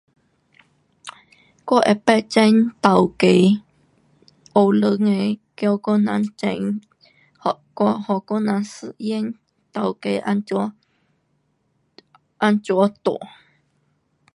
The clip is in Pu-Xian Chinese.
我有曾种豆芽，学堂的叫我人种，给我人实验豆芽怎样，怎样大。